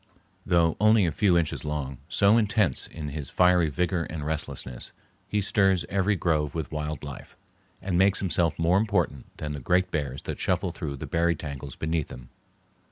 Though only a few inches long, so intense is his fiery vigor and restlessness, he stirs every grove with wild life, and makes himself more important than the great bears that shuffle through the berry tangles beneath him.